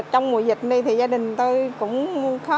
trong mùa dịch này gia đình tôi cũng khó